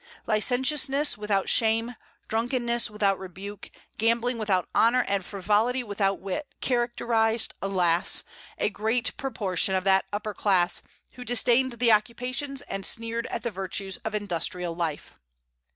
Licentiousness without shame, drunkenness without rebuke, gambling without honor, and frivolity without wit characterized, alas, a great proportion of that "upper class" who disdained the occupations and sneered at the virtues of industrial life.